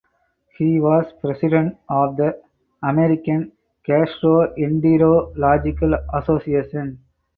He was President of the American Gastroenterological Association.